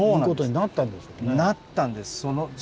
なったんです。